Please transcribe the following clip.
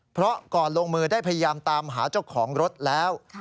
เพราะก่อนลงมือได้พยายามตามหาเจ้าของรถแล้ว